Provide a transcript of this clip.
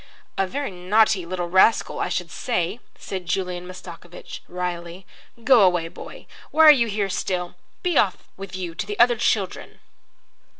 "A very naughty little rascal, I should say," said Julian Mastakovich, wryly. "Go away, boy. Why are you here still? Be off with you to the other children."